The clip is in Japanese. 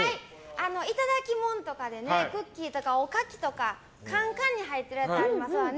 いただきものとかでねクッキーとかおかきとかカンカンに入ってるやつありますわね。